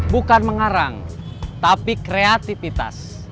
bukan mengarang tapi kreatifitas